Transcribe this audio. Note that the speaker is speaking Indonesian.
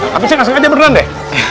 tapi saya gak sengaja beneran deh